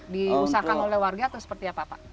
diusahakan oleh warga atau seperti apa pak